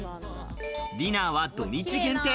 ディナーは土日限定。